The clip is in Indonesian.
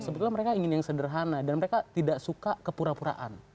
sebetulnya mereka ingin yang sederhana dan mereka tidak suka kepura puraan